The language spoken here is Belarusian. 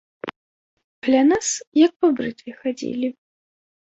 Каля нас як па брытве хадзілі.